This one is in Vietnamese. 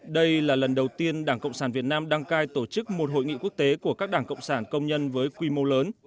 đây là lần đầu tiên đảng cộng sản việt nam đăng cai tổ chức một hội nghị quốc tế của các đảng cộng sản công nhân với quy mô lớn